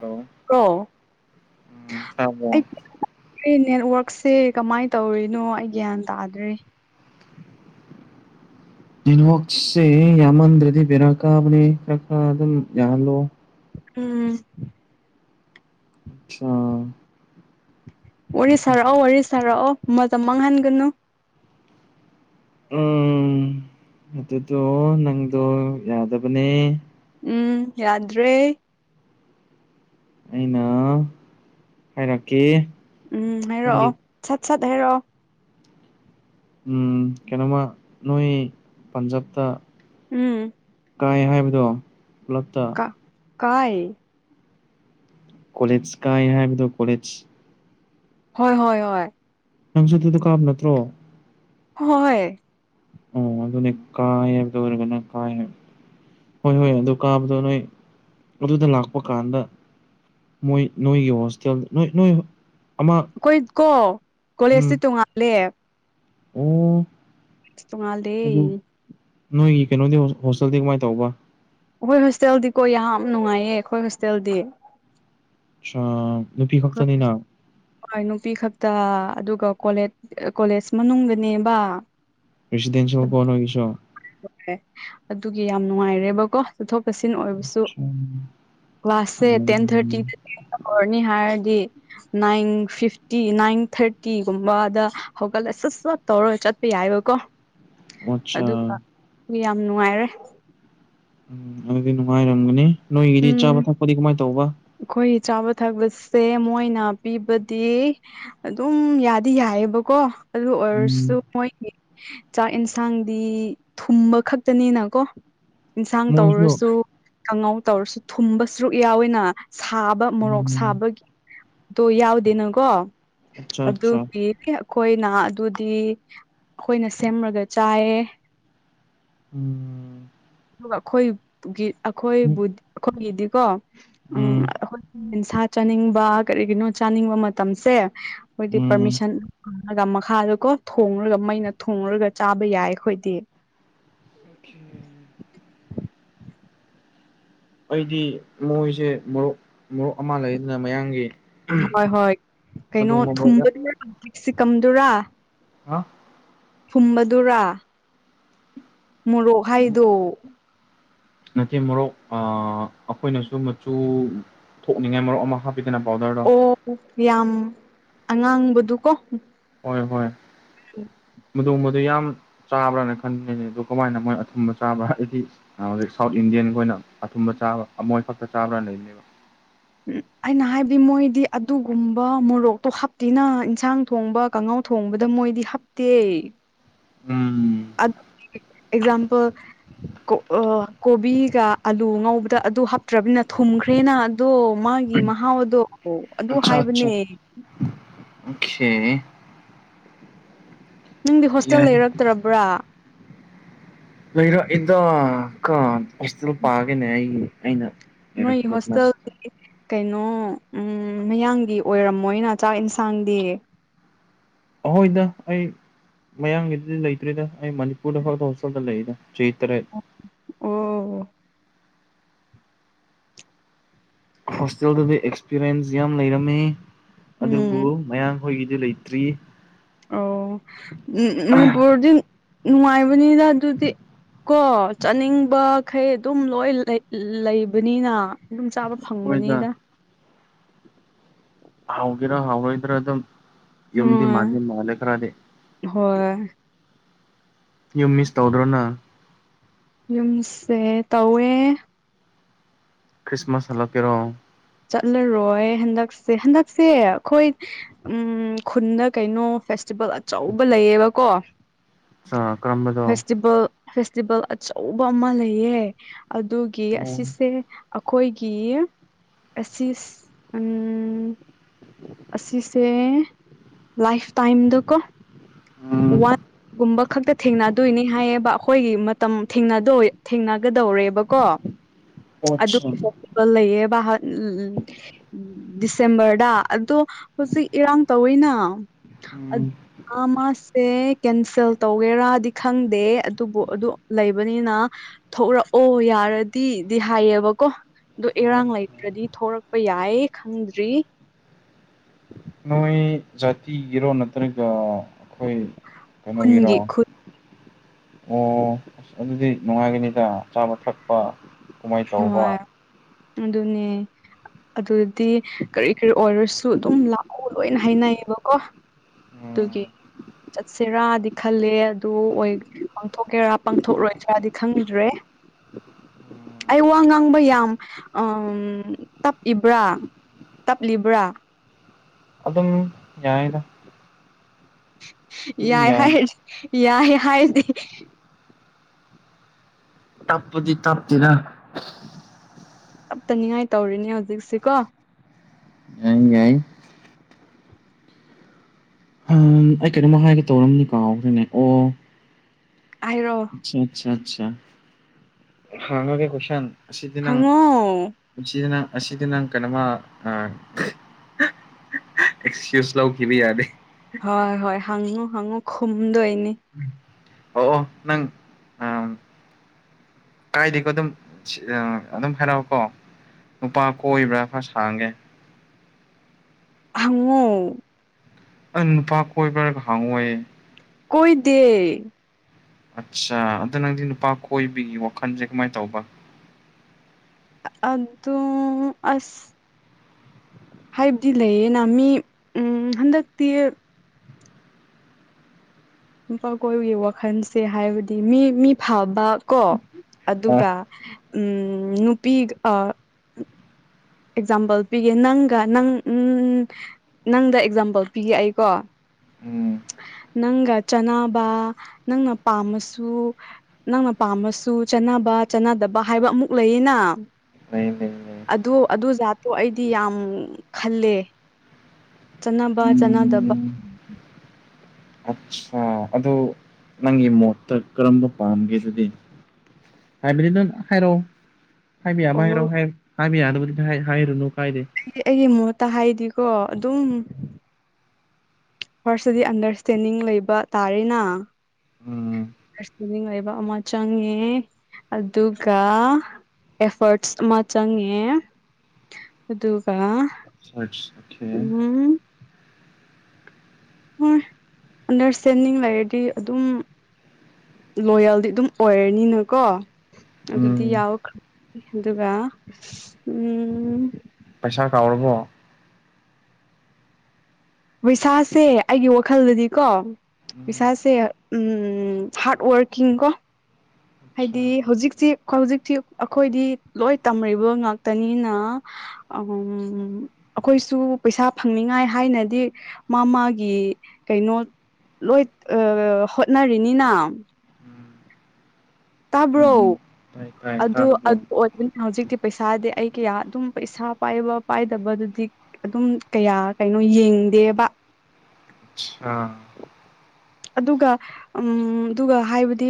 Hello ꯑꯣ ꯎꯝ ꯇꯥꯕ꯭ꯔꯣ ꯑꯩ ꯑꯩ ꯅꯦꯠꯋꯔꯛꯁꯦ ꯀꯃꯥꯏꯅ ꯇꯧꯔꯤꯅꯣ ꯑꯩ ꯒ꯭ꯌꯥꯟ ꯇꯥꯗꯔꯦ ꯋꯣꯛꯁꯦ ꯌꯥꯝꯃꯟꯗ꯭ꯔꯗꯤ ꯕꯦꯔꯥ ꯀꯥꯕꯅꯦ ꯕꯦꯔꯥ ꯀꯥ ꯑꯗꯨꯝ ꯌꯥꯍꯜꯂꯣ ꯎꯝ [unintelligible] ꯋꯥꯔꯤ ꯁꯥꯔꯛꯑꯣ ꯋꯥꯔꯤ ꯁꯥꯔꯛꯑꯣ ꯃꯇꯝ ꯃꯥꯡꯍꯟꯒꯅꯨ꯫ ꯎꯝ ꯑꯗꯨꯗꯣ ꯅꯪꯗꯣ ꯌꯥꯗꯕꯅꯦ꯫ ꯎꯝ ꯌꯥꯗ꯭ꯔꯦ ꯑꯩꯅ ꯍꯥꯏꯔꯛꯀꯦ ꯎꯝ ꯍꯥꯏꯔꯛꯑꯣ ꯅꯪꯒꯤ ꯁꯠ ꯁꯠ ꯍꯥꯏꯔꯛꯑꯣ ꯎꯝ ꯀꯩꯅꯣꯃ ꯅꯣꯏ ꯄꯟꯖꯥꯕꯇ ꯎꯝ ꯀꯥꯏ ꯍꯥꯏꯕꯗꯣ ꯄꯨꯂꯞꯇ ꯀ ꯀꯥꯏ ꯀꯣꯂꯦꯁ ꯀꯥꯏ ꯍꯥꯏꯗꯣ ꯀꯣꯂꯦꯁ ꯍꯣꯏ ꯍꯣꯏ ꯍꯣꯏ ꯅꯪꯁꯨ ꯑꯗꯨꯗ ꯀꯥꯕ ꯅꯠꯇ꯭ꯔꯣ ꯍꯣꯏ ꯑꯣ ꯑꯗꯨꯅꯦ ꯀꯥꯥꯢ ꯍꯥꯏꯕꯗꯣ ꯑꯣꯏꯔꯒꯅ ꯀꯥꯥꯢ ꯍꯥꯏꯕ ꯍꯣꯏ ꯍꯣꯏ ꯑꯗꯨ ꯀꯥꯕꯗꯣ ꯅꯣꯏ ꯑꯗꯨꯗ ꯂꯥꯛꯄ ꯀꯥꯟꯗ ꯃꯣꯏ ꯅꯣꯏꯒꯤ ꯍꯣꯁꯇꯦꯜ ꯅꯣꯏ ꯅꯣꯏ ꯑꯃ ꯑꯩꯈꯣꯏ ꯀꯣ ꯀꯣꯂꯦꯖꯁꯦ ꯎꯝ ꯇꯣꯡꯉꯜꯂꯦ ꯑꯣ ꯇꯣꯡꯉꯥꯜꯂꯦ ꯑꯗꯨ ꯅꯣꯏꯒꯤ ꯀꯩꯅꯣꯗꯤ ꯍꯣꯁꯇꯦꯜꯗꯤ ꯀꯃꯥꯏꯅ ꯇꯧꯕ ꯑꯩꯈꯣꯏ ꯍꯣꯁꯇꯦꯜꯗꯤꯀꯣ ꯌꯥꯝ ꯅꯨꯡꯉꯥꯏꯌꯦ ꯑꯩꯈꯣꯏ ꯍꯣꯁꯇꯦꯜꯗꯤ ꯑꯆꯥ ꯅꯨꯄꯤ ꯈꯛꯇꯅꯤꯅ ꯍꯣꯏ ꯅꯨꯄꯤ ꯈꯛꯇ ꯑꯗꯨꯒ ꯀꯣꯂꯦꯁ ꯀꯣꯂꯦꯁ ꯃꯅꯨꯡꯗꯅꯦꯕ ꯔꯤꯁꯤꯗꯗꯤꯤꯟꯁꯤ ꯐꯣꯅꯣꯁꯣ [inaudible] ꯍꯣꯢ ꯑꯗꯨꯒꯤ ꯌꯥꯝ ꯅꯨꯡꯉꯥꯏꯔꯦꯕꯀꯣ ꯆꯠꯊꯣꯛ ꯆꯠꯁꯤꯟ ꯑꯣꯏꯕꯁꯨ ꯀ꯭ꯂꯥꯁꯁꯦ ꯇꯦꯟ ꯊꯥꯔꯇꯤꯗ ꯍꯔꯅꯤ ꯍꯥꯢꯔꯗꯤ ꯅꯥꯏꯟ ꯐꯤꯐꯇꯤ ꯅꯥꯏꯟ ꯊꯥꯔꯇꯤꯒꯨꯝꯕꯗ ꯍꯧꯒꯠꯂꯦ ꯁꯠ ꯁꯠ ꯇꯧꯔ ꯆꯠꯄ ꯌꯥꯏꯑꯦꯕꯀꯣ ꯑꯆꯥ ꯌꯥꯝ ꯅꯨꯡꯉꯥꯏꯔꯦ ꯎꯝ ꯑꯗꯨꯗꯤ ꯅꯨꯡꯉꯥꯏꯔꯝꯒꯅꯤ ꯅꯣꯏꯒꯤꯗꯤ ꯆꯥꯕ ꯊꯛꯄꯗꯤ ꯀꯃꯥꯏꯅ ꯇꯧꯕ ꯑꯩꯈꯣꯏꯒꯤ ꯆꯥꯕ ꯊꯛꯄꯁꯦ ꯃꯣꯏꯅ ꯄꯤꯕꯗꯤ ꯑꯗꯨꯝ ꯌꯥꯗꯤ ꯌꯥꯏꯑꯦꯕꯀꯣ ꯑꯗꯨ ꯑꯣꯏꯔꯁꯨ ꯎꯝ ꯃꯣꯏꯒꯤ ꯆꯥꯛ ꯌꯦꯟꯁꯥꯡꯗꯤ ꯊꯨꯝꯕ ꯈꯛꯇꯅꯤꯅꯀꯣ ꯑꯦꯟꯁꯥꯡ ꯃꯣꯏꯁꯨ ꯇꯧꯔꯁꯨ ꯀꯥꯡꯉꯧ ꯇꯧꯔꯁꯨ ꯊꯨꯝꯕ ꯁꯔꯨꯛ ꯌꯥꯎꯋꯤꯅ ꯁꯥꯕ ꯃꯣꯔꯣꯛ ꯎꯝ ꯁꯥꯕꯒꯤꯗꯣ ꯌꯥꯎꯗꯦꯅꯀꯣ ꯑꯠꯆꯥ ꯑꯠꯆꯥ ꯑꯗꯨꯒꯤ ꯌꯦ ꯑꯩꯈꯣꯏꯅ ꯑꯗꯨꯗꯤ ꯑꯩꯈꯣꯏꯅ ꯁꯦꯝꯃꯒ ꯆꯥꯏꯌꯦ ꯎꯝ ꯑꯗꯨꯒ ꯑꯩꯈꯣꯏꯒꯤ ꯑꯩꯈꯣꯏꯕꯨꯗꯤ ꯑꯩꯈꯣꯏꯒꯤꯗꯤꯀꯣ ꯎꯝ ꯑꯩꯈꯣꯏ ꯁꯥ ꯆꯥꯅꯤꯡꯕ ꯀꯔꯤꯒꯤꯅꯣ ꯆꯥꯅꯤꯡꯕ ꯃꯇꯝꯁꯦ ꯑꯩꯈꯣꯏꯗꯤ ꯎꯝ ꯄꯔꯃꯤꯁꯟ ꯐꯪꯉꯒ ꯃꯈꯥꯗꯣꯀꯣ ꯊꯣꯡꯉꯔꯒ ꯃꯩꯅ ꯊꯣꯉꯔꯒ ꯆꯥꯕ ꯌꯥꯏ ꯑꯩꯈꯣꯏꯗꯤ ꯑꯣ [inaudible] ꯑꯩꯗꯤ ꯃꯣꯏꯁꯦ ꯃꯔꯣꯛ ꯃꯔꯣꯛ ꯑꯃ ꯂꯩꯗꯅ ꯃꯌꯥꯡꯒꯤ ꯍꯣꯏ ꯍꯣꯏ ꯀꯩꯅꯣ ꯑꯗꯨꯒꯨꯝꯕ ꯃꯣꯔꯣꯛ ꯌꯥꯝ ꯊꯨꯝꯕꯗꯨꯁꯤꯀꯝꯗꯨꯔꯥ ꯍꯥ ꯊꯨꯝꯕꯗꯨꯔ ꯃꯣꯔꯣꯛ ꯍꯥꯏꯗꯣ ꯅꯠꯇꯦ ꯃꯣꯔꯣꯛ ꯑꯩꯈꯣꯏꯅꯁꯨ ꯃꯆꯨ ꯊꯣꯛꯅꯤꯡꯉꯥꯏ ꯃꯔꯣꯛ ꯑꯃ ꯍꯥꯞ ꯄꯕꯤꯅ ꯄꯥꯎꯗꯔꯗꯣ ꯑꯣ ꯌꯥꯝ ꯑꯉꯥꯡꯕꯗꯨ ꯀꯣ ꯍꯣꯏ ꯍꯣꯏ ꯎꯝ ꯃꯗꯣꯡꯕꯗꯨ ꯌꯥꯝ ꯆꯥꯕ꯭ꯔꯅ ꯈꯟꯗꯅꯦ ꯑꯗꯨ ꯀꯃꯥꯏꯅ ꯃꯣꯏ ꯑꯊꯨꯝꯕ ꯆꯥꯕ꯭ꯔꯥ ꯍꯥꯏꯗꯤ ꯍꯧꯖꯤꯛ ꯁꯥꯎꯠ ꯏꯟꯗꯤꯌꯥꯟꯒꯤꯣꯏ ꯑꯣꯏꯅ ꯑꯊꯨꯝꯕ ꯆꯥꯕ ꯑꯃꯣꯏ ꯐꯛꯇ ꯆꯥꯕ꯭ꯔꯥ ꯂꯩꯕꯅꯦꯕ ꯎꯝ ꯑꯩꯅ ꯍꯥꯏꯕꯗꯤ ꯃꯣꯏꯗꯤ ꯑꯗꯨꯒꯨꯝꯕ ꯃꯣꯔꯣꯛꯇꯣ ꯍꯥꯞꯇꯤꯅ ꯏꯟꯁꯥꯡ ꯊꯣꯡꯕ ꯀꯥꯡꯉꯧ ꯊꯣꯡꯕꯗ ꯃꯣꯏꯗꯤ ꯍꯥꯞꯇꯦ ꯎꯝ ꯑꯦꯛꯖꯥꯝꯄꯜ ꯀꯣꯕꯤꯒ ꯑꯂꯨ ꯉꯧꯕꯗ ꯑꯗꯨ ꯍꯥꯞꯇ꯭ꯔꯕꯅꯤꯅ ꯊꯨꯝꯈ꯭ꯔꯦꯅ ꯑꯗꯣ ꯃꯥꯒꯤ ꯃꯍꯥꯎ ꯑꯗꯣ ꯑꯗꯨ ꯍꯥꯏꯕꯅꯦ ꯑꯣꯈꯦ ꯅꯪꯗꯤ ꯍꯣꯁꯇꯦꯜ ꯌꯥꯏ ꯂꯩꯔꯛꯇ꯭ꯔꯕ꯭ꯔꯥ ꯂꯩꯔꯣ ꯑꯩꯗ ꯍꯣꯁꯄꯤꯇꯥꯜ ꯄꯥꯒꯦꯅꯦ ꯑꯩꯒꯤ ꯑꯩꯅ ꯅꯣꯏ ꯂꯩꯔꯛꯄꯗꯣ ꯍꯣꯁꯇꯦꯜ ꯀꯩꯅꯣ ꯃꯌꯥꯡꯒꯤ ꯑꯣꯏꯔꯝꯃꯣꯏꯅ ꯆꯥꯛ ꯏꯟꯁꯥꯡꯗꯤ ꯑꯩꯈꯣꯏꯗ ꯑꯩ ꯃꯌꯥꯡꯒꯤꯗꯨꯗꯤ ꯂꯩꯇ꯭ꯔꯤꯗ ꯑꯩ ꯃꯅꯤꯄꯨꯔꯗ ꯈꯔ ꯍꯧꯁꯜꯗ ꯂꯩꯔꯤꯗ ꯆꯩ ꯇꯔꯦ ꯑꯣ ꯍꯣꯁꯇꯦꯜꯗꯨꯗꯤ ꯑꯦꯛꯁꯄꯤꯔꯤꯦꯟꯁ ꯌꯥꯝ ꯂꯩꯔꯝꯃꯤ ꯎꯝ ꯑꯗꯨꯕꯨ ꯃꯌꯥꯝ ꯑꯈꯣꯏꯒꯤꯗꯤ ꯂꯩꯇ꯭ꯔꯤ ꯑꯣ ꯃꯅꯤꯄꯨꯔꯗꯤ ꯅꯨꯡꯉꯥꯏꯕꯅꯤꯅ ꯑꯗꯨꯗꯤ ꯀꯣ ꯆꯥꯅꯤꯡꯕꯈꯩ ꯑꯗꯨꯝ ꯂꯣꯏ ꯂꯩꯕꯅꯤꯅ ꯑꯗꯨꯝ ꯆꯥꯕ ꯃꯣꯏꯗ ꯐꯪꯕꯅꯦꯗ ꯍꯥꯎꯒꯦꯔꯥ ꯍꯥꯎꯔꯣꯏꯗ꯭ꯔꯥ ꯑꯗꯨꯝ ꯌꯨꯝꯗꯤ ꯎꯝ ꯃꯥꯜꯂꯤ ꯃꯥꯜꯂꯦ ꯈꯔꯗꯤ ꯍꯣꯏ ꯌꯨꯝ ꯃꯤꯁ ꯇꯧꯗ꯭ꯔꯣ ꯅꯪ ꯌꯨꯝꯁꯦ ꯇꯧꯋꯦ ꯈ꯭ꯔꯤꯁꯃꯥꯁ ꯍꯂꯛ ꯀꯦꯔꯣ ꯆꯠꯂꯔꯣꯏ ꯍꯟꯗꯛꯁꯦ ꯍꯟꯗꯛꯁꯦ ꯈꯣꯏ ꯎꯝ ꯈꯨꯟꯗ ꯀꯩꯅꯣ ꯐꯦꯁ ꯐꯦꯁꯇꯤꯚꯦꯜ ꯑꯆꯧꯕ ꯂꯩꯌꯦꯕꯀꯣ ꯀꯔꯝꯕꯗꯣ ꯐꯦꯁꯇꯤꯚꯦꯜ ꯐꯦꯁꯇꯤꯚꯦꯜ ꯑꯆꯧꯕ ꯑꯃ ꯂꯩꯌꯦ ꯑꯗꯨꯒꯤ ꯑꯣ ꯑꯁꯤꯁꯦ ꯑꯈꯣꯏꯒꯤ ꯄꯦꯆꯤꯁ ꯑꯝ ꯑꯁꯤꯁꯦ ꯂꯥꯏꯐ ꯇꯥꯏꯝꯗꯀꯣ ꯎꯝ ꯋꯥꯟꯒꯨꯝꯕ ꯈꯛꯇ ꯊꯦꯡꯅꯗꯣꯏꯅꯤ ꯍꯥꯏꯌꯦꯕ ꯑꯈꯣꯏꯒꯤ ꯃꯇꯝ ꯊꯦꯡꯅꯗꯣꯢ ꯊꯦꯡꯅꯒꯗꯧꯔꯦꯕꯀꯣ ꯑꯗꯨ ꯑꯣꯠꯁ ꯂꯩꯌꯦꯕ ꯗꯤꯁꯦꯝꯕꯔꯗ ꯑꯗꯣ ꯍꯧꯖꯤꯛ ꯏꯔꯥꯡ ꯇꯧꯋꯤꯅ ꯎꯝ ꯑ ꯃꯥ ꯁꯦ ꯀꯦꯟꯁꯦꯜ ꯇꯧꯒꯦꯔꯥꯗꯤ ꯈꯪꯗꯦ ꯑꯗꯨꯕꯨ ꯑꯗꯨ ꯂꯩꯕꯅꯤꯅ ꯊꯣꯛꯂꯛꯑꯣ ꯌꯥꯔꯗꯤꯗꯤ ꯍꯥꯏꯌꯦꯕꯀꯣ ꯑꯗꯣ ꯏꯔꯥꯡ ꯂꯩꯇ꯭ꯔꯗꯤ ꯊꯣꯔꯛꯄ ꯌꯥꯏ ꯈꯪꯗ꯭ꯔꯤ ꯅꯣꯏ ꯖꯥꯇꯤꯒꯤꯔꯣ ꯅꯠꯇ꯭ꯔꯒ ꯑꯈꯣꯏ ꯀꯩꯅꯣꯒꯤꯔꯣ ꯈꯨꯟꯒꯤ ꯈꯨꯟ ꯑꯣ ꯑꯁ ꯑꯗꯨꯗꯤ ꯅꯨꯡꯉꯥꯏꯒꯅꯤꯗ ꯆꯥꯕ ꯊꯛꯄ ꯀꯨꯃꯩ ꯇꯧꯕ ꯍꯣꯏ ꯑꯗꯨꯅꯦ ꯑꯗꯨꯗꯤ ꯀꯔꯤ ꯀꯔꯤ ꯑꯣꯏꯔꯁꯨ ꯑꯗꯨꯝ ꯂꯥꯛꯑꯣ ꯂꯣꯏꯅ ꯍꯥꯏꯅꯩꯌꯦꯕꯀꯣ ꯎꯝ ꯑꯗꯨꯒꯤ ꯆꯠꯁꯤꯔꯥꯗꯤ ꯈꯜꯂꯦ ꯑꯗꯨ ꯑꯣꯏ ꯄꯥꯡꯊꯣꯛꯀꯦꯔꯥ ꯄꯥꯡꯊꯣꯛꯔꯣꯏꯗ꯭ꯔꯥꯗꯤ ꯈꯪꯗ꯭ꯔꯦ ꯑꯩ ꯋꯥ ꯉꯥꯡꯕ ꯌꯥꯝ ꯑꯝ ꯇꯞꯏꯕ꯭ꯔꯥ ꯇꯞꯂꯤꯕ꯭ꯔꯥ ꯑꯗꯨꯝ ꯌꯥꯌꯦꯗ ꯌꯥꯏ ꯍꯥꯏꯌꯦ ꯌꯥꯏ ꯍꯥꯏꯗꯦ ꯇꯞꯄꯗꯤ ꯇꯞꯇꯦꯗ ꯇꯞꯇꯅꯤꯡꯉꯥꯏ ꯇꯧꯔꯤꯅꯦ ꯍꯧꯖꯤꯛꯁꯤꯀꯣ ꯅꯪ ꯌꯥꯏ ꯎꯝ ꯑꯩ ꯀꯩꯅꯣꯝꯃ ꯍꯥꯏꯒꯦ ꯇꯧꯔꯝꯅꯤ ꯀꯥꯎꯈ꯭ꯔꯅꯦ ꯑꯣ ꯍꯥꯏꯔꯣ ꯑ ꯑꯆꯥ ꯑꯆꯥ ꯍꯉꯒꯦ ꯀꯣꯁꯟ ꯑꯁꯤꯗꯤ ꯅꯪ ꯍꯪꯉꯣ ꯄꯨꯟꯁꯤꯅ ꯑꯁꯤꯗ ꯅꯪ ꯀꯩꯅꯣꯃ ꯑ ꯑꯦꯛꯁꯀꯌꯨꯁ ꯂꯧꯈꯤꯕ ꯌꯥꯗꯦ ꯍꯣꯏ ꯍꯣꯏ ꯍꯪꯅꯤꯡ ꯍꯪꯉꯨ ꯈꯨꯝꯗꯣꯏꯅꯤ ꯑꯣ ꯑꯣ ꯅꯪ ꯎꯝ ꯀꯥꯏꯗꯦꯀꯦ ꯑꯗꯨꯝ ꯑꯗꯨꯝ ꯍꯥꯏꯔꯛꯑꯣꯀꯣ ꯅꯨꯄꯥ ꯀꯣꯏꯕ꯭ꯔꯥ ꯈꯔ ꯁꯥꯡꯌ‌ꯦ ꯍꯪꯉꯨ ꯑ ꯅꯨꯄꯥ ꯀꯣꯏꯕꯔ ꯍꯥꯏꯔꯒ‌ ꯍꯪꯉ‌ꯣꯌꯦ ꯀꯣꯏꯗꯦ ꯑꯠꯆꯥ ꯑꯗꯨ ꯅꯪꯗꯤ ꯅꯨꯄꯥ ꯀꯣꯏꯕꯤꯒꯤ ꯋꯥꯈꯜꯁꯦ ꯀꯃꯥꯏꯅ ꯇꯧꯕ ꯑꯗ‌ꯣ ꯑꯁ ꯍꯥꯏꯕꯗꯤ ꯂꯩꯌꯦꯅ ꯃꯤ ꯎꯝ ꯍꯟꯗꯛꯇꯤ ꯅꯨꯄꯥ ꯀꯣꯏꯕꯒꯤ ꯋꯥꯈꯜꯁꯦ ꯍꯥꯏꯕꯗꯤ ꯃꯤ ꯃꯤ ꯐꯕ ꯀꯣ ꯑꯗꯨꯒ ꯎꯝ ꯅꯨꯄꯤ ꯑ ꯑꯦꯛꯖꯥꯝꯄꯜ ꯄꯤꯒꯦ ꯅꯪꯒ ꯅꯪ ꯎꯝ ꯅꯪꯗ ꯑꯦꯛꯖꯥꯝꯄꯜ ꯄꯤꯒꯦ ꯑꯩꯀꯣ ꯎꯝ ꯅꯪꯒ ꯆꯅꯕ ꯅꯪꯅ ꯄꯥꯝꯃꯁꯨ ꯅꯪꯅ ꯄꯥꯝꯃꯁꯨ ꯆꯥꯟꯅꯕ ꯆꯥꯅꯗꯕ ꯍꯥꯏꯕ ꯑꯃꯨꯛ ꯂꯩꯌꯦꯅ ꯂꯩ ꯂꯩ ꯂꯩ ꯑꯗꯨ ꯑꯗꯨ ꯖꯥꯠꯇꯣ ꯑꯩꯗꯤ ꯌꯥꯝ ꯈꯜꯂꯦ ꯆꯅꯥꯕ ꯆꯅꯥ ꯗꯕ ꯑꯆꯥ ꯑ ꯑꯗꯨ ꯅꯪꯒꯤ ꯃꯣꯠꯇ ꯀꯔꯝꯕ ꯄꯥꯝꯒꯦ ꯑꯗꯨꯗꯤ ꯍꯥꯏꯕꯗꯤ ꯅꯪ ꯍꯥꯏꯔꯛꯑꯣ ꯍꯥꯏꯕ ꯌꯥꯕ ꯑꯣ ꯍꯥꯏꯔꯛꯑꯣ ꯍꯥꯏ ꯍꯥꯏꯕ ꯌꯥꯕꯨꯗꯤ ꯍꯥꯏꯔꯨꯅꯨ ꯀꯥꯏꯗꯦ ꯑꯩ ꯑꯩꯒꯤ ꯃꯣꯠꯇ ꯍꯥꯏꯗꯤꯀꯣ ꯑꯗꯨꯝ ꯐꯥꯔꯁꯇꯗꯤ ꯑꯟꯗꯔꯁꯇꯦꯟꯗꯤꯡ ꯂꯩꯕ ꯇꯥꯔꯦꯅ ꯎꯝ ꯑꯟꯗꯔꯁꯇꯦꯟꯗꯤꯡ ꯂꯩꯕ ꯑꯃ ꯆꯪꯉꯦ ꯑꯗꯨꯒ ꯑꯦꯐꯔꯠꯁ ꯑꯃ ꯆꯪꯉꯦ ꯑꯗꯨꯒ [inaudible] ꯑꯣꯈꯦ ꯎꯝ ꯍꯣꯏ ꯑꯟꯗꯔꯁꯇꯦꯟꯗꯤꯡ ꯂꯩꯔꯗꯤ ꯑꯗꯨꯝ ꯂꯣꯌꯦꯜꯗꯤ ꯑꯗꯨꯝ ꯑꯣꯏꯔꯅꯤꯅꯀꯣ ꯑꯗꯨꯗꯤ ꯎꯝ ꯌꯥꯎꯈ꯭ꯔꯦ ꯑꯗꯨꯒ ꯎꯝ ꯄꯩꯁꯥ ꯀꯥꯎꯔꯕꯣ ꯄꯩꯩꯁꯥꯁꯦ ꯑꯩꯒꯤ ꯋꯥꯈꯜꯗꯗꯤꯀꯣ ꯎꯝ ꯄꯩꯁꯥꯁꯦ ꯎꯝ ꯍꯥꯔꯠ ꯋꯥꯔꯀꯤꯡ ꯀꯣ ꯑꯠꯁꯥ ꯍꯥꯏꯗꯤ ꯍꯧꯖꯤꯛꯁꯤ ꯍꯧꯖꯤꯛꯁꯤ ꯑꯩꯈꯣꯏꯗꯤ ꯂꯣꯏ ꯇꯝꯔꯤꯕ ꯉꯥꯛꯇꯅꯤꯅ ꯑꯝ ꯑꯩꯈꯣꯏꯁꯨ ꯄꯩꯁꯥ ꯐꯪꯅꯤꯡꯉꯥꯏ ꯍꯥꯏꯅꯗꯤ ꯃꯥ ꯃꯥꯒꯤ ꯀꯩꯅꯣ ꯂꯣꯏ ꯍꯣꯠꯅꯔꯤꯅꯤꯅ ꯎꯝ ꯎꯝ ꯇꯥꯕ꯭ꯔꯣ ꯎꯝ ꯇꯥꯏ ꯇꯥꯏ ꯑꯗꯨ ꯇꯥꯗꯕ꯭ꯔꯣ [unintelligible] ꯑꯗꯨꯅ ꯍꯧꯖꯤꯛꯇꯤ ꯄꯩꯁꯥꯗꯤ ꯑꯩ ꯀꯌꯥ ꯑꯗꯨꯝ ꯄꯩꯁꯥ ꯄꯥꯏꯕ ꯄꯥꯏꯗꯕꯗꯨꯗꯤ ꯑꯗꯨꯝ ꯀꯌꯥ ꯀꯩꯅꯣ ꯌꯦꯡꯗꯦꯕ ꯑꯆꯥ ꯑꯗꯨꯒ ꯎꯝ ꯑꯗꯨꯒ ꯍꯥꯏꯕꯗꯤ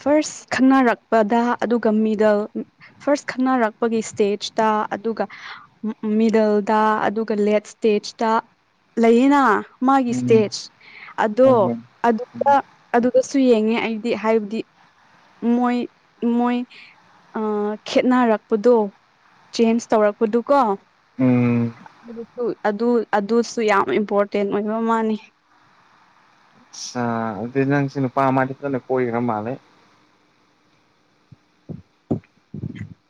ꯐꯥꯔꯁ ꯈꯪꯅꯔꯛꯄꯗ ꯑꯗꯨꯒ ꯃꯤꯗꯜ ꯐꯥꯔ꯭ꯁ ꯈꯪꯅꯔꯛꯄꯒꯤ ꯏꯁꯇꯦꯖꯇ ꯑꯗꯨꯒ ꯃꯤꯗꯜꯗ ꯑꯗꯨꯒ ꯂꯦꯠ ꯁ꯭ꯇꯦꯖꯇ ꯂꯩꯌꯦꯅ ꯃꯥꯒꯤ ꯎꯝ ꯏꯁ꯭ꯇꯦꯖ ꯑꯗꯣ ꯍꯣꯏ ꯍꯣꯏ ꯑꯗꯨ ꯎꯝ ꯑꯗꯨꯗꯁꯨ ꯌꯦꯡꯉꯦ ꯑꯩꯗꯤ ꯍꯥꯏꯕꯗꯤ ꯃꯣꯏ ꯃꯣꯏ ꯑ ꯈꯦꯠꯅꯔꯛꯄꯗꯣ ꯆꯦꯟꯖ ꯇꯧꯔꯛꯄꯗꯨ ꯀꯣ ꯎꯝ ꯑꯗꯨ ꯑꯗꯨꯁꯨ ꯌꯥꯝ ꯏꯝꯄꯣꯔꯇꯦꯟ ꯑꯣꯏꯕ ꯃꯥꯟꯅꯤ ꯁꯥ ꯑ ꯑꯗꯨꯗꯤ ꯅꯪꯁꯤ ꯅꯨꯄꯥ ꯃꯥꯗꯤ ꯐꯖꯅ ꯀꯣꯏꯈ꯭ꯔ ꯃꯥꯜꯂꯦ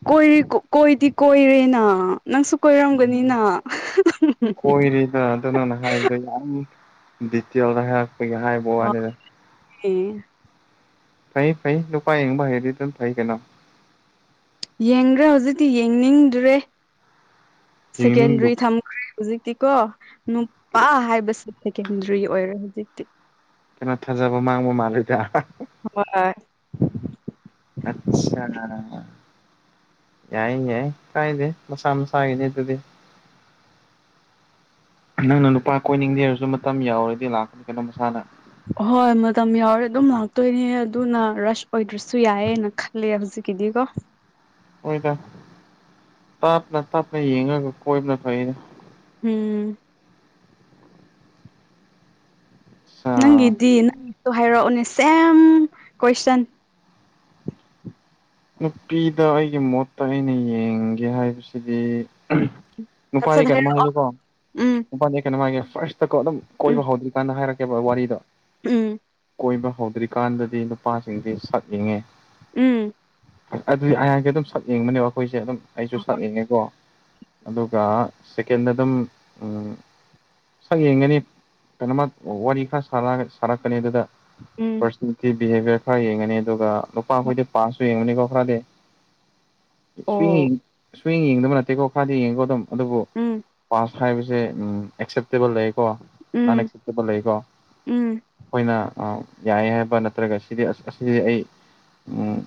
ꯀꯣꯏ ꯀꯣꯏꯗꯤ ꯀꯣꯏꯔꯦꯅ ꯅꯪꯁꯨ ꯀꯣꯏꯔꯝꯒꯅꯤꯅ ꯀꯣꯏꯔ‌ꯦꯗ ꯑꯗꯨ ꯅꯪꯅ ꯍꯥꯏꯕꯗ ꯌꯥꯝ ꯗꯤꯇꯦꯜꯗ ꯍꯥꯏꯔꯛꯄꯒꯤ ꯍꯥꯏꯕ ꯋꯥꯅꯤꯗ ꯍ‌ꯣꯏ ꯏ ꯐꯩ ꯐꯩ ꯅꯨꯨꯄꯥ ꯌꯦꯡꯕ ꯍꯩꯔꯗꯤ ꯑꯗꯨꯝ ꯐꯩ ꯀꯩꯅ‌ꯣ ꯌꯦꯡꯗ꯭ꯔꯦ ꯍꯧꯖꯤꯛꯇꯤ ꯌꯦꯡꯅꯤꯡꯗ꯭ꯔꯦ ꯌꯦꯡꯅꯤꯡꯗ ꯁꯦꯀꯦꯟꯗ꯭ꯔꯤ ꯊꯝ ꯍꯧꯖꯤꯛꯇꯤꯀꯣ ꯅꯨꯄꯥ ꯍꯥꯏꯕꯁꯤ ꯁꯦꯀꯦꯟꯗ꯭ꯔꯤ ꯑꯣꯏꯔꯦ ꯍꯧꯖꯤꯛꯇꯤ ꯀꯩꯅꯣ ꯊꯥꯖꯕ ꯃꯥꯡꯕ ꯃꯥꯜꯂꯤꯗ ꯍꯣꯏ ꯑꯠꯆꯥ ꯌꯥꯏ ꯌꯥꯏ ꯀꯥꯏꯗꯦ ꯃꯁꯥ ꯃꯁꯥꯒꯤꯅꯤ ꯑꯗꯨꯗꯤ ꯅꯪꯅ ꯅꯨꯄꯥ ꯀꯣꯏꯅꯤꯡꯗꯦꯔꯁꯨ ꯃꯇꯝ ꯌꯥꯎꯔꯗꯤ ꯂꯥꯛꯄꯅꯤ ꯀꯩꯅꯣ ꯃꯁꯥꯅ ꯍꯣꯏ ꯃꯇꯝ ꯌꯥꯎꯔꯦ ꯑꯗꯨꯝ ꯂꯥꯛꯇꯣꯏꯅꯦ ꯑꯗꯨꯅ ꯔꯁ ꯑꯣꯏꯗ꯭ꯔꯁꯨ ꯌꯥꯏꯑꯌꯦꯅ ꯈꯜ ꯂꯦ ꯍꯧꯖꯤꯛ ꯀꯤꯗꯤ ꯀꯣ ꯍ‌ꯣꯏꯗ ꯇꯞꯅ ꯇꯞꯅ ꯌꯦꯡꯔꯒ ꯀꯣꯏꯕꯅ ꯐꯩꯌꯦꯗ ꯎꯝ ꯑ ꯅꯪꯒꯤꯗꯤ ꯅꯪꯒꯤꯁꯨ ꯍꯥꯏꯔꯛꯑꯣꯅꯦ ꯁꯦꯝ ꯀꯣꯏꯁꯟ ꯅꯨꯄꯤꯗ ꯑꯩꯒꯤ ꯃꯣꯠꯇ ꯑꯩꯅ ꯌꯦꯡꯒꯦ ꯍꯥꯏꯕꯁꯤꯗꯤ ꯁꯠ-ꯁꯠ ꯅꯨꯄꯥꯗꯤ ꯀꯩꯅꯣꯝ ꯍꯥꯏꯔꯛꯑꯣ ꯍꯥꯏꯒꯦꯀꯣ ꯎꯝ ꯅꯨꯄꯥꯗꯤ ꯀꯩꯅꯣ ꯍꯥꯏꯒꯦ ꯐꯥꯔꯁ ꯆꯀꯣ ꯑꯗꯨꯝ ꯎꯝ ꯀꯣꯏꯕ ꯍꯧꯗ꯭ꯔꯤ ꯀꯥꯟꯗ ꯍꯥꯏꯔꯛꯀꯦꯕ ꯋꯥꯔꯤꯗꯣ ꯎꯝ ꯀꯣꯏꯕ ꯍꯧꯗ꯭ꯔꯤꯀꯥꯟꯗꯗꯤ ꯅꯨꯄꯥꯁꯤꯡꯗꯤ ꯁꯛ ꯌꯦꯡꯉꯦ ꯎꯝ ꯑꯗꯨꯗꯤ ꯑꯩꯍꯥꯏꯀꯤ ꯑꯗꯨꯝ ꯁꯛꯌꯦꯡꯕꯅꯦꯕ ꯑꯩꯈꯣꯏꯁꯦ ꯑꯗꯨꯝ ꯑꯩꯁꯨ ꯁꯛꯌꯦꯡꯉꯦꯀꯣ ꯑꯗꯨꯒ ꯁꯦꯀꯦꯟ ꯑꯗꯨꯝ ꯎꯝ ꯁꯛ ꯌꯦꯡꯒꯅꯤ ꯀꯩꯅꯣꯃ ꯋꯥꯔꯤ ꯈꯔ ꯁꯥꯔꯛꯑꯒ ꯁꯥꯔꯛꯀꯅꯤ ꯑꯗꯨꯗ ꯎꯝ ꯄꯤ ꯕꯤꯍꯦꯕꯤꯌꯔ ꯈꯔ ꯌꯦꯡꯉꯅꯤ ꯑꯗꯨꯒ ꯅꯨꯨꯄꯥ ꯑꯩꯈꯣꯏꯗꯤ ꯄꯥꯁꯁꯨ ꯌꯦꯡꯉꯨꯅꯤꯀꯣ ꯈꯔꯗꯤ ꯑꯣ ꯊꯔꯤꯡ ꯊꯔꯤ ꯌꯦꯡꯗꯕ ꯅꯠꯇꯦꯀꯣꯗ ꯌꯦꯡꯉꯀꯣ ꯑꯗꯨꯝ ꯑꯗꯨꯕꯨ ꯎꯝ ꯄꯥꯁ ꯍꯥꯏꯕꯁꯦ ꯎꯝ ꯑꯦꯛꯁꯦꯞꯇꯦꯕꯜ ꯂꯩꯀꯣ ꯎꯝ ꯅꯟꯑꯦꯛꯁꯦꯞꯇꯦꯕꯜ ꯂꯩꯀꯣ ꯎꯝ ꯑꯩꯈꯣꯏꯅ ꯑ ꯌꯥꯏ ꯍꯥꯏꯕ ꯅꯠꯇ꯭ꯔꯒ ꯁꯤꯗꯤ ꯑꯁ ꯑꯁꯤꯗꯤ ꯑꯩ ꯎꯝ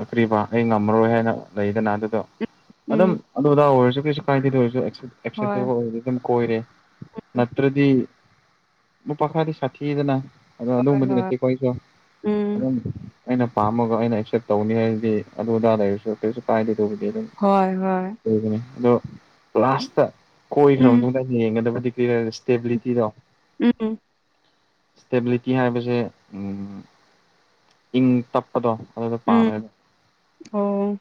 ꯑ ꯀꯔꯤꯕ ꯑꯩ ꯉꯝꯃꯔꯣꯏ ꯍꯥꯏꯅ ꯂꯩꯗꯅ ꯑꯗꯨꯗꯣ ꯑꯗꯨꯝ ꯎꯝ ꯑꯗꯨ ꯑꯗꯥ ꯑꯣꯏꯔꯁꯨ ꯀꯩꯁꯨ ꯀꯥꯏꯗꯦꯗ ꯑꯣꯏꯔꯁꯨ ꯑꯦꯛꯁꯦ ꯑꯦꯛꯁꯦꯇꯦꯕꯜ ꯍꯣꯏ ꯑꯣꯏꯔꯗꯤ ꯑꯗꯨꯝ ꯀꯣꯏꯔꯦ ꯅꯠꯇ꯭ꯔꯗꯤ ꯅꯨꯄꯥꯈꯔꯗꯤ ꯁꯥꯊꯤꯌꯦꯗꯅ ꯑꯗꯣ ꯍꯣꯏ ꯑꯗꯨꯝꯕꯗꯤ ꯍꯣꯏ ꯅꯠꯇꯦꯀꯣ ꯑꯩꯁꯨ ꯎꯝ ꯑꯗꯨꯝ ꯑꯩꯅ ꯄꯥꯝꯃꯒ ꯑꯩꯅ ꯑꯦꯛꯁꯦꯞ ꯇꯧꯅꯤ ꯍꯥꯏꯁꯤꯗꯤ ꯑꯗꯨ ꯑꯗꯥꯗ ꯂꯩꯔꯁꯨ ꯀꯩꯁꯨ ꯀꯥꯏꯗꯦ ꯗꯨꯕꯨꯗꯤ ꯑꯗꯨꯝ ꯍꯣꯏ ꯍꯣꯏ ꯅꯤ ꯑꯗꯣ ꯂꯥꯁꯇ ꯀꯣꯏꯈ꯭ꯔ ꯎꯝ ꯃꯇꯨꯡꯗ ꯌꯦꯡꯒꯗꯕꯗꯤ ꯀꯔꯤꯔ ꯏꯁꯇꯦꯕꯤꯂꯤꯇꯤꯗꯣ ꯎꯝ ꯏꯁꯇꯦꯕꯤꯂꯤꯇꯤ ꯍꯥꯏꯕꯁꯦ ꯎꯝ ꯏꯪ ꯇꯞꯄꯗꯣ ꯑꯗꯨꯗ ꯎꯝ ꯄꯥꯝꯃꯦ ꯑ ꯑꯣ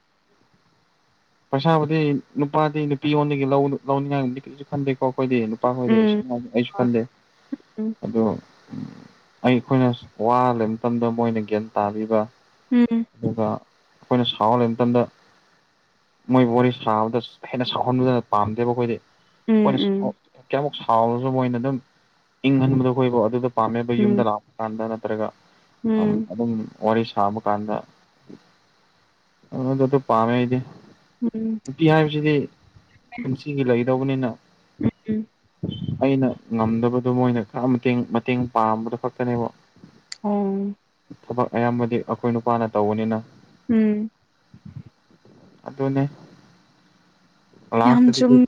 ꯄꯩꯁꯥꯕꯨꯗꯤ ꯅꯨꯄꯥꯗꯤ ꯅꯨꯄꯤ ꯌꯣꯟꯗꯒꯤ ꯂꯧ ꯂꯧꯅꯤꯡꯉꯥꯏꯕꯨꯗꯤ ꯐꯟꯗꯦꯀꯣ ꯑꯩꯈꯣꯏꯗꯤ ꯅꯨꯄꯥ ꯈꯣꯏꯗꯤ ꯎꯝ ꯑꯩꯁꯨꯉꯥꯏ ꯑꯩꯁꯨ ꯐꯟꯗꯦ ꯑꯗꯣ ꯎ ꯑꯩ ꯑꯩꯈꯣꯏꯅ ꯋꯥ ꯂꯩꯕ ꯃꯇꯝꯗ ꯃꯣꯏꯅ ꯒ꯭ꯌꯥꯟ ꯇꯥꯕꯤꯕ ꯎꯝ ꯑꯗꯨꯒ ꯑꯩꯈꯣꯏꯅ ꯁꯥꯎ ꯂꯩꯕ ꯃꯇꯝꯗ ꯃꯣꯏ ꯋꯥꯔꯤ ꯁꯥꯕꯗ ꯍꯦꯟꯅ ꯁꯥꯎꯍꯟꯕꯗꯅ ꯄꯥꯝꯗꯦꯕ ꯑꯩꯈꯣꯏꯗꯤ ꯎꯝ ꯑꯩꯈꯣꯏꯅ ꯎꯝ ꯀꯌꯥꯃꯨꯛ ꯁꯥꯎꯔꯁꯨ ꯃꯣꯏꯅ ꯑꯗꯨꯝ ꯏꯪꯍꯟꯕꯗꯣ ꯑꯩꯈꯣꯏꯕꯨ ꯑꯗꯨꯗ ꯄꯥꯝꯃꯦꯕ ꯎꯝ ꯌꯨꯝꯗ ꯂꯥꯛꯄ ꯀꯥꯟꯗ ꯅꯠꯇ꯭ꯔꯒ ꯎꯝ ꯑꯗꯨꯝ ꯋꯥꯔꯤ ꯁꯥꯕ ꯀꯥꯟꯗ ꯑꯗꯨꯗ ꯑꯗꯨ ꯄꯥꯝꯃꯦ ꯑꯩꯗꯤ ꯎꯝ ꯅꯨꯄꯤ ꯍꯥꯏꯕꯁꯤꯗꯤ ꯄꯨꯟꯁꯤꯒꯤ ꯂꯩꯗꯧꯕꯅꯤꯅ ꯎꯝ ꯑꯩꯅ ꯉꯝꯗꯕꯗꯣ ꯃꯣꯏꯅ ꯃꯇꯦꯡ ꯃꯇꯦꯡ ꯄꯥꯝꯕꯗꯣ ꯈꯛꯇꯅꯦꯕ ꯑꯣꯝ ꯊꯕꯛ ꯑꯌꯥꯝꯕꯗꯤ ꯑꯩꯈꯣꯏ ꯅꯨꯄꯥꯅ ꯇꯧꯕꯅꯤꯅ ꯎꯝ ꯑꯗꯨꯅ ꯌꯥꯝ ꯀ꯭ꯂꯥꯁꯇꯗꯤ ꯆꯨꯝꯃꯦ ꯑꯈꯣꯢ